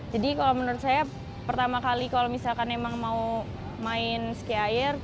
jadi kalau menurut saya pertama kali kalau misalkan emang mau main sky iron